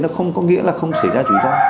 nó không có nghĩa là không xảy ra rủi ro